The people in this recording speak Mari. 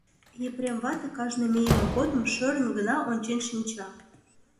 Епрем вате кажне мийыме годым шӧрын гына ончен шинча.